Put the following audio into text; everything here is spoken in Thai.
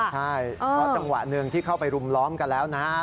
ใช่เพราะจังหวะหนึ่งที่เข้าไปรุมล้อมกันแล้วนะฮะ